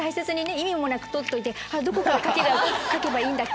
意味もなく取っといてあっどこから書けばいいんだっけ？